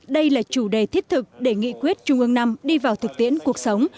đây là chủ đề thiết thực để nghị quyết trung ương năm đi vào thực tiễn cuộc sống